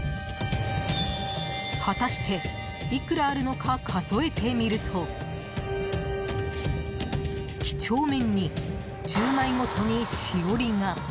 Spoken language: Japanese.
果たしていくらあるのか、数えてみると几帳面に１０枚ごとにしおりが。